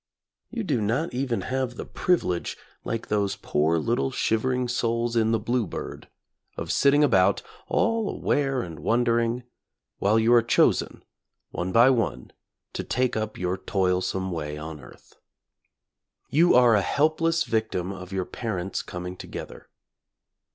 You do not even have the privilege like those poor little shivering souls in "The Blue Bird," of sitting about, all aware and wondering, while you are chosen, one by one to take up your toilsome way on earth. You are a helpless victim of your parents' coming together.